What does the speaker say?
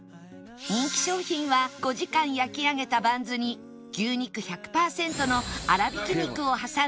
人気商品は５時間焼き上げたバンズに牛肉１００パーセントの粗挽き肉を挟んだハンバーガー